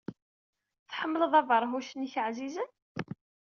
Tḥemmled abeṛhuc-nnek ɛzizen?